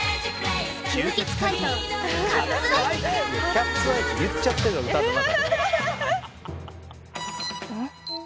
「キャッツ・アイ」って言っちゃってるの歌の中で。